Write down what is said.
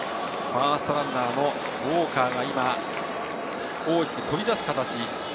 ファーストランナー、ウォーカーが大きく飛び出す形。